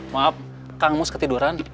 maaf kang mus ketiduran